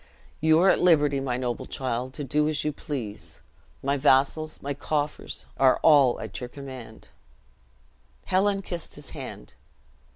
"You are at liberty, my noble child, to do as you please. My vassals, my coffers, are all at your command." Helen kissed his hand.